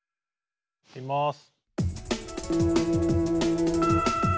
いきます。